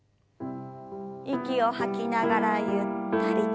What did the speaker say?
息を吐きながらゆったりと。